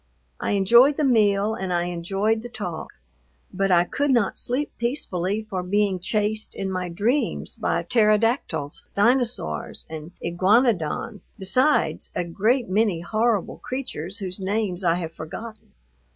I enjoyed the meal and I enjoyed the talk, but I could not sleep peacefully for being chased in my dreams by pterodactyls, dinosaurs, and iguanodons, besides a great many horrible creatures whose names I have forgotten.